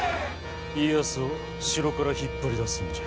家康を城から引っ張り出すんじゃ。